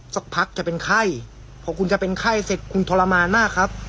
สักพักจะเป็นไข้พอคุณจะเป็นไข้เสร็จคุณทรมานมากครับ